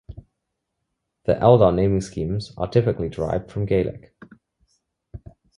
The Eldar naming-schemes are typically derived from Gaelic.